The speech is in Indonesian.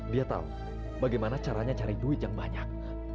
dia tahu bagaimana caranya cari duit yang banyak